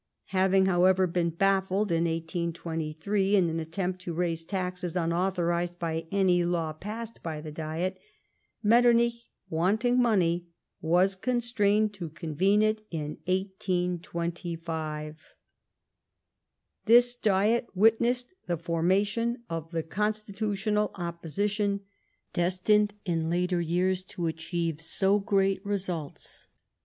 Having, however, been baffled, in 1823, in an attempt to raise taxes unauthorised by any law passed by the Diet, Metternich, wanting money, was constrained to convene it in 1825. This Diet witnessed the forma tion of the constitutional opposition, destined, in later years, to achieve so great results.